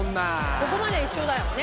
ここまでは一緒だよね。